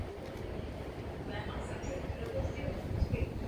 Ale podpis a ratifikace úmluv pouze poskytuje rámec pro zlepšení.